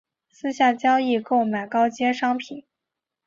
私下交易购买高阶商品